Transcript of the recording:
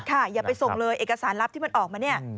อย่าไปส่งเลยเอกสารลับที่มันออกมาเนี่ย